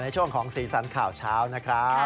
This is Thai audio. ช่วงของสีสันข่าวเช้านะครับ